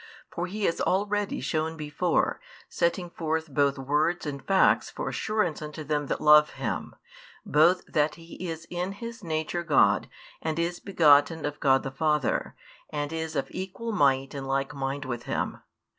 For He has already shown before, setting forth both words and facts for assurance unto them that love Him, both that He is in His nature God and is begotten of God the Father, and is of equal might and like mind with Him.